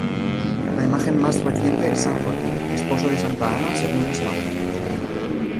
La imagen más reciente es San Joaquín, esposo de Santa Ana según los evangelios.